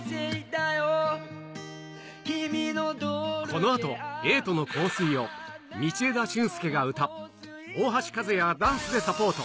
このあと、瑛人の香水を、道枝駿佑が歌、大橋和也がダンスでサポート。